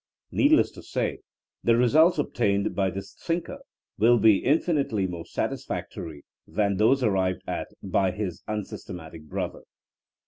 * Needless to say, the results obtained by this thinker wiU be infinitely. more satisfactory than those arrived at by his unsystematic brother.